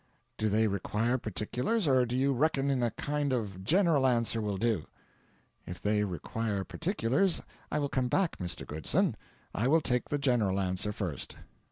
Do they require particulars, or do you reckon a kind of a GENERAL answer will do?' 'If they require particulars, I will come back, Mr. Goodson; I will take the general answer first.'